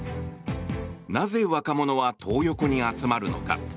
なぜ若者はトー横に集まるのか。